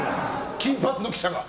金髪の記者が！